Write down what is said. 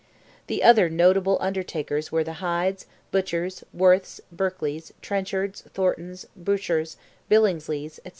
The other notable Undertakers were the Hides, Butchers, Wirths, Berklys, Trenchards, Thorntons, Bourchers, Billingsleys, &c.